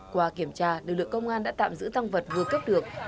qua kiểm tra lực lượng công an đã tạm giữ tăng vật vừa cấp được